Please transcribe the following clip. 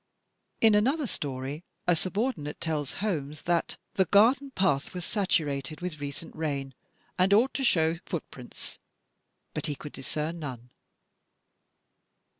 In another story, a subordinate tells Holmes that "the garden path was saturated with recent rain, and ought to show footprints," but he could discern none.